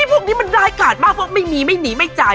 พวกนี้มันร้ายกาดมากเพราะไม่มีไม่หนีไม่จ่าย